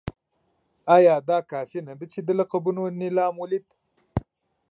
ایا دا کافي نه ده چې د لقبونو نېلام ولید.